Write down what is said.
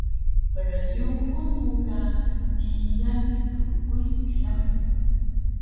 Pryuxun mu ka kingal kbkuy pila mu